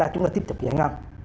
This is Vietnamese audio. chúng ta tiếp tục giải ngon